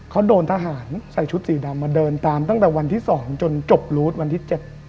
เขาโดนทหารใส่ชุดสีดำมาเดินตามตั้งแต่วันที่๒จนจบรูดวันที่๗